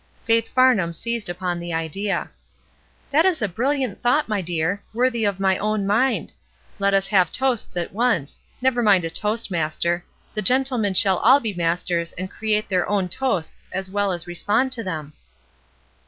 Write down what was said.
Faith Farnham seized upon the idea. "That is a briUiant thought, my dear, worthy of my own mind. Let us have toasts at once ; never mind a toastmaster ; the gentlemen shall all be masters and create their own toasts as well as respond to them."